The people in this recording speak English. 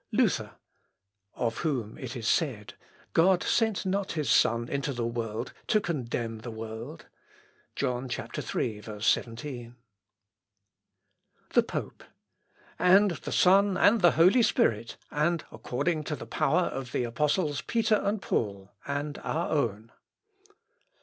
Luther. "Of whom it is said, 'God sent not his Son into the world to condemn the world.'" (John, iii, 17.) The Pope. "... And the Son and the Holy Spirit, and according to the power of the Apostles Peter and Paul ... and our own...."